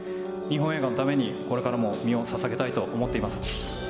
日本映画のためにこれからも身をささげたいと思っています。